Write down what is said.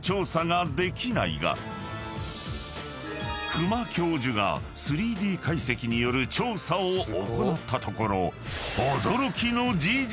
［久間教授が３Ｄ解析による調査を行ったところ］